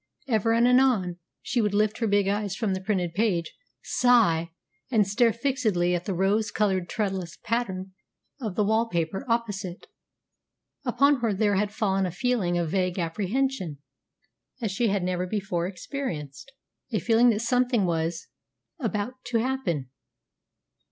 Ever and anon she would lift her big eyes from the printed page, sigh, and stare fixedly at the rose coloured trellis pattern of the wall paper opposite. Upon her there had fallen a feeling of vague apprehension such as she had never before experienced, a feeling that something was about to happen.